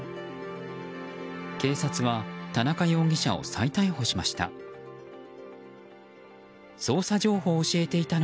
警察は田中容疑者を再逮捕しました。